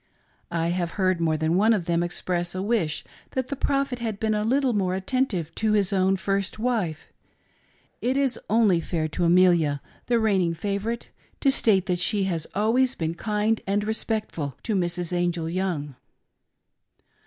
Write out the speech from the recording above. I have heard more than one of them express a wish that the Prophet had been a little more attentive to his own first wife. It is only fair to Amelia — the reigning favorite — to state that she has always been kind and respectful to Mrs. Angell Young.